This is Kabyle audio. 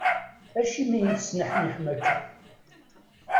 Acimi i tesneḥniḥem akka?